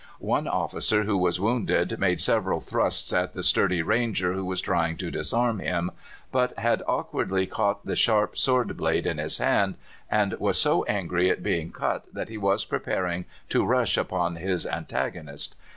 One officer who was wounded made several thrusts at the sturdy Ranger who was trying to disarm him, but had awkwardly caught the sharp sword blade in his hand, and was so angry at being cut that he was preparing to rush upon his antagonist.